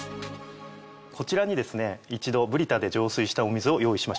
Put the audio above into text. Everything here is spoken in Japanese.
こちらにですね一度ＢＲＩＴＡで浄水したお水を用意しました。